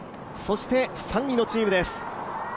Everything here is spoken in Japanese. そして３位のチームです。